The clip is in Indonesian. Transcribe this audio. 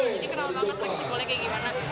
jadi kenal banget track cikole kayak gimana